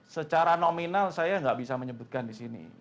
secara nominal saya nggak bisa menyebutkan di sini